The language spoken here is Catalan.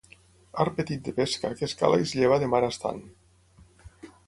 Art petit de pesca que es cala i es lleva de mar estant.